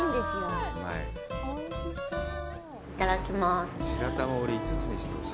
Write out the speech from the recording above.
いただきます。